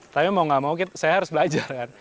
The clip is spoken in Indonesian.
tapi mau gak mau saya harus belajar kan